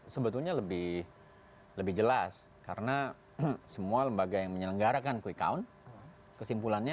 sebetulnya lebih lebih jelas karena semua lembaga yang menyelenggarakan quick count kesimpulannya